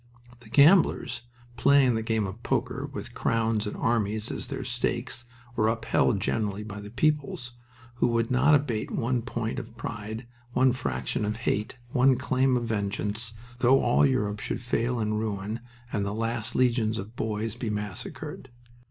The gamblers, playing the game of "poker," with crowns and armies as their stakes, were upheld generally by the peoples, who would not abate one point of pride, one fraction of hate, one claim of vengeance, though all Europe should fall in ruin and the last legions of boys be massacred.